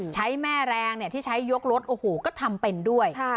ใช้แม่แรงเนี่ยที่ใช้ยกรถโอ้โหก็ทำเป็นด้วยค่ะ